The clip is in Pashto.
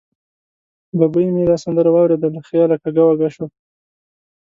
ببۍ مې دا سندره واورېده، له خیاله کږه وږه شوه.